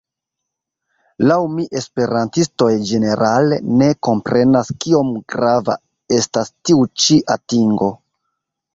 Laŭ mi esperantistoj ĝenerale ne komprenas kiom grava estas tiu ĉi atingo.